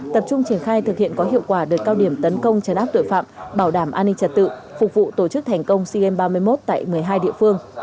tập trung triển khai thực hiện có hiệu quả đợt cao điểm tấn công chấn áp tội phạm bảo đảm an ninh trật tự phục vụ tổ chức thành công sea games ba mươi một tại một mươi hai địa phương